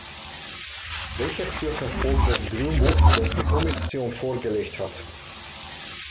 Welches Ziel verfolgt das Grünbuch, das die Kommission vorgelegt hat?